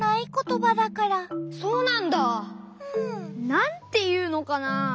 なんていうのかな。